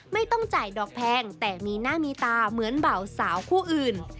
ไม่ต้องจ่ายดอกแพงแต่มีหน้ามีตาเหมือนเบาสาวคู่อื่น